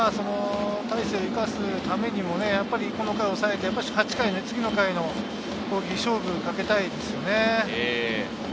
大勢を生かすためにも、この回を抑えて次の回の攻撃に勝負をかけたいですよね。